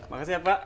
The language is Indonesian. makasih ya pak